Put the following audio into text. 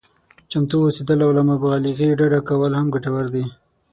چمتو اوسېدل او له مبالغې ډډه کول هم ګټور دي.